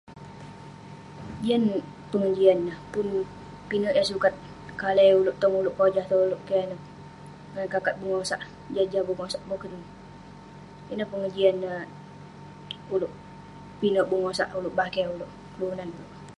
Jian pegejian neh pun pinek yah sukat kalai oleuk dukuk neh pojah ngan oleuk keh neh ngan kat-kat pegosak yah jah pegosak boken ineh pegejian neh oleuk pinek pegosak oleuk bakeh oleuk kelunan oleuk